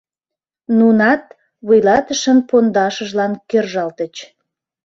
Нунат вуйлатышын пондашыжлан кержалтыч: